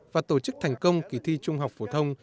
và tổ chức thành công kỳ thi trung học phổ thông